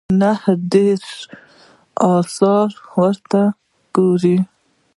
نه یوازې نهه دېرش اثار ورته ګوري.